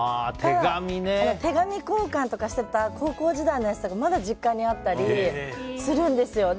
手紙交換とかしてた高校時代のやつとかまだ実家にあったりするんですよ。